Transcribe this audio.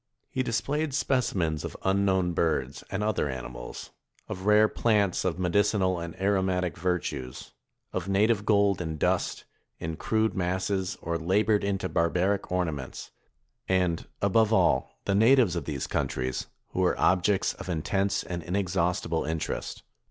He displayed specimens of unknown birds, and other animals; of rare plants of medicinal and aromatic virtues; of native gold in dust, in crude masses, or labored into barbaric ornaments; and, above all, the natives of these countries, who were objects of intense and inexhaustible interest.